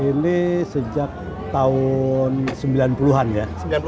ini sejak tahun sembilan puluh an ya